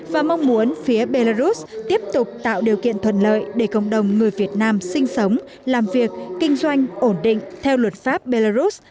và mong muốn phía belarus tiếp tục tạo điều kiện thuận lợi để cộng đồng người việt nam sinh sống làm việc kinh doanh ổn định theo luật pháp belarus